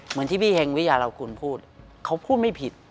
เหมือนที่พี่เฮงวิยาเราคุณพูดเขาพูดไม่ผิด